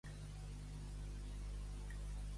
Què van demanar al Govern espanyol també?